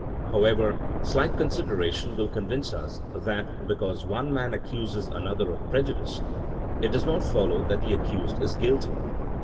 ^*^ How ever, slight consideration will convince us that because one man accuses another of prejudice, it does not follow that the accused is guilty.